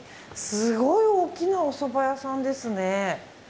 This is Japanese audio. すごい大きなおそば屋さんですね。